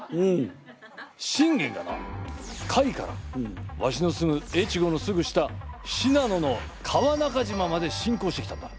信玄がな甲斐からわしの住む越後のすぐ下信濃の川中島までしんこうしてきたんだ。